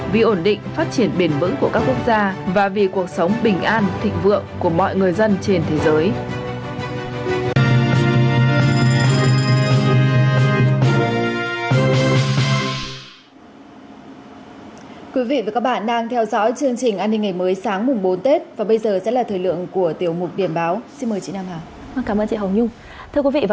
vì ổn định phát triển bền bững của các quốc gia và vì cuộc sống bình an thịnh vượng của mọi người dân trên thế giới